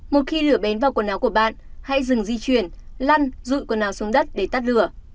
một khi lửa bén vào quần áo của bạn hãy dừng di chuyển lăn rụi quần áo xuống đất để tắt lửa